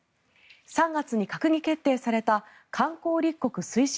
３月に閣議決定された観光立国推進